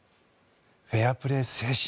フェアプレー精神。